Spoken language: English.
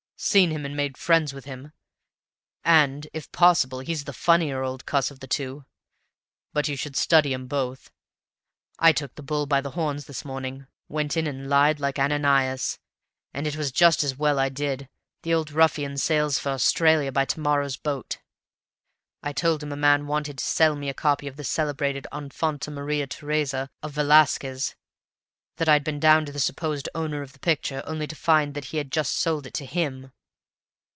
"Seen him and made friends with him, and if possible he's the funnier old cuss of the two; but you should study 'em both. I took the bull by the horns this morning, went in and lied like Ananias, and it was just as well I did the old ruffian sails for Australia by to morrow's boat. I told him a man wanted to sell me a copy of the celebrated Infanta Maria Teresa of Velasquez, that I'd been down to the supposed owner of the picture, only to find that he had just sold it to him.